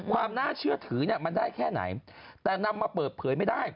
ความน่าเชื่อถือเนี่ยมันได้แค่ไหนแต่นำมาเปิดเผยไม่ได้